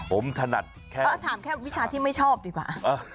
ผมถนัดถามแค่วิชาที่ไม่ชอบดีกว่า